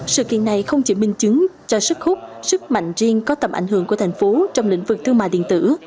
sự kiện này không chỉ minh chứng cho sức hút sức mạnh riêng có tầm ảnh hưởng của thành phố trong lĩnh vực thương mại điện tử